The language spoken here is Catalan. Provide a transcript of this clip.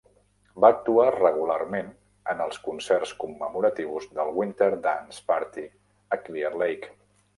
Va actuar regularment en els concerts commemoratius del Winter Dance Party a Clear Lake.